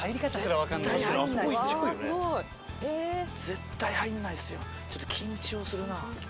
絶対入んないですよちょっと緊張するな。